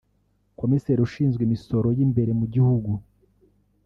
Komiseri ushinzwe imisoro y’imbere mu gihugu